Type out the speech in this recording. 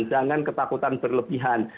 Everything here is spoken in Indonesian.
jangan ketakutan berlebihan